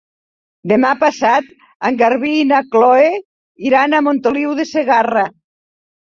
Demà passat en Garbí i na Chloé iran a Montoliu de Segarra.